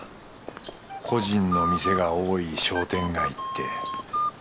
個人の店が多い商店街って。